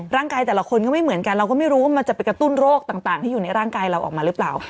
แต่ละคนก็ไม่เหมือนกันเราก็ไม่รู้ว่ามันจะไปกระตุ้นโรคต่างที่อยู่ในร่างกายเราออกมาหรือเปล่า